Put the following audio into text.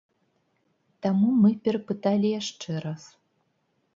Таму мы перапыталі яшчэ раз.